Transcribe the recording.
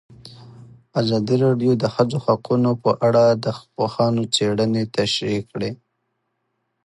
ازادي راډیو د د ښځو حقونه په اړه د پوهانو څېړنې تشریح کړې.